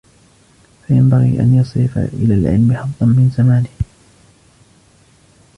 فَيَنْبَغِي أَنْ يَصْرِفَ إلَى الْعِلْمِ حَظًّا مِنْ زَمَانِهِ